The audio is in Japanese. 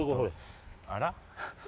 あら？